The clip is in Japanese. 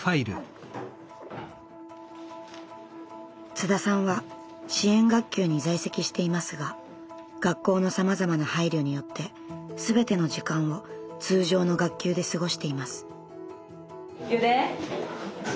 津田さんは支援学級に在籍していますが学校のさまざまな配慮によって全ての時間を通常の学級で過ごしています。